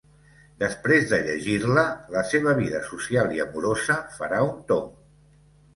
Després de llegir-la, la seva vida social i amorosa farà un tomb.